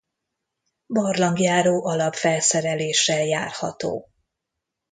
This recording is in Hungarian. Barlangjáró alapfelszereléssel járható.